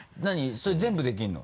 それ全部できるの？